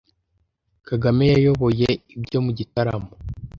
Kagame yayoboye ibyo mu gitaramo